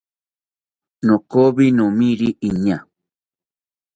Nokoyi nomiri iñaa